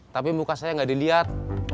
tapi muka saya nggak dilihat